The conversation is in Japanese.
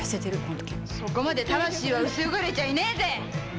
そこまで魂は薄汚れちゃいねえぜ！